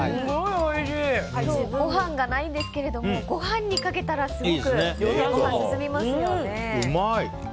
今日ご飯がないんですけどご飯にかけたらすごくご飯進みますよね。